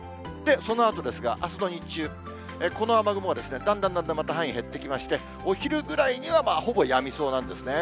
そのあとですが、あすの日中、この雨雲はだんだんだんだんまた範囲減ってきまして、お昼ぐらいにはほぼやみそうなんですね。